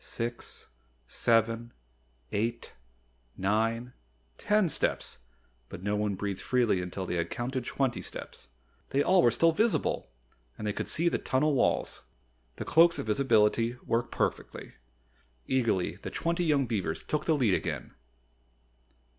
Six seven eight nine ten steps but no one breathed freely until they had counted twenty steps. They all were still visible! And they could still see the tunnel walls. The Cloaks of Visibility worked perfectly. Eagerly the twenty young beavers took the lead again.